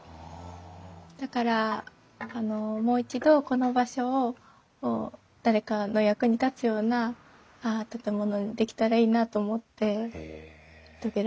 だからもう一度この場所を誰かの役に立つような建物にできたらいいなと思って遂げられたって感じですね。